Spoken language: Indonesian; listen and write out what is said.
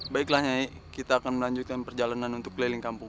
baiklah nyai kita akan melanjutkan perjalanan untuk keliling kampung